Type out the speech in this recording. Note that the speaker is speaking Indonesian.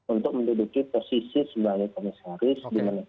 untuk menduduki posisi sebagai komisaris